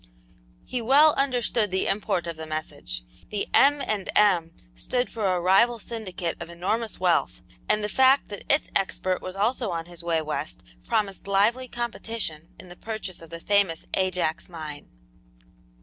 He well understood the import of the message. The "M. and M." stood for a rival syndicate of enormous wealth, and the fact that its expert was also on his way west promised lively competition in the purchase of the famous Ajax mine.